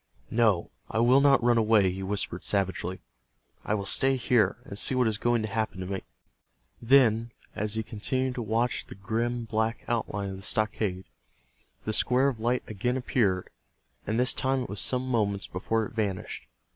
"No, I will not run away," he whispered, savagely. "I will stay here, and see what is going to happen to me." Then, as he continued to watch the grim black outline of the stockade, the square of light again appeared, and this time it was some moments before it vanished.